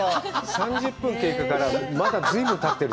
３０分経過って、まだ随分、たってる。